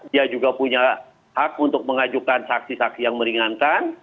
dia juga punya hak untuk mengajukan saksi saksi yang meringankan